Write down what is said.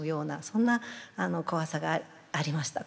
そんな怖さがありました。